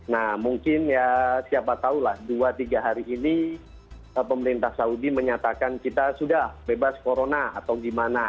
nah mungkin ya siapa tahu lah dua tiga hari ini pemerintah saudi menyatakan kita sudah bebas corona atau gimana